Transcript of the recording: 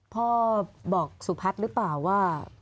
พ่อบอกสุพัฒน์หรือเปล่าว่า